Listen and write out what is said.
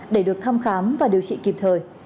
để được thăm khám và điều trị kịp thời